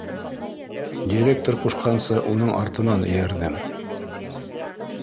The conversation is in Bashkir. Директор ҡушҡанса уның артынан эйәрҙем.